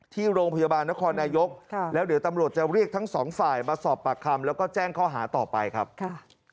ที่โรงพยาบาลนครนายกแล้วเดี๋ยวตำรวจจะเรียกทั้งสองฝ่ายมาสอบปากคำแล้วก็แจ้งข้อหาต่อไปครับค่ะ